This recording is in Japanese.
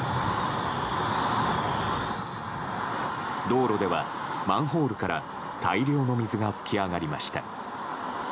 道路では、マンホールから大量の水が噴き上がりました。